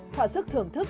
thỏa sức thưởng thức